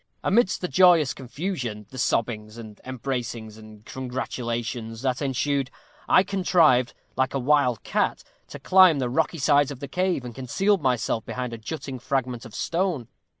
Amidst the joyous confusion the sobbings, and embracings, and congratulations that ensued I contrived, like a wild cat, to climb the rocky sides of the cave, and concealed myself behind a jutting fragment of stone.